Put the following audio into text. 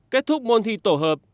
kết thúc môn thi tổ hợp